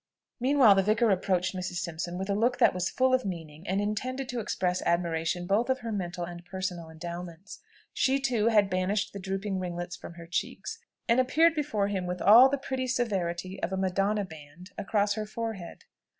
Meanwhile the vicar approached Mrs. Simpson with a look that was full of meaning, and intended to express admiration both of her mental and personal endowments. She, too, had banished the drooping ringlets from her cheeks, and appeared before him with all the pretty severity of a Madonna band across her forehead.